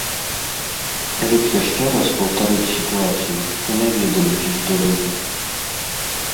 Калі б яшчэ раз паўтарыць сітуацыю, то не ведаю, ці здолеў бы.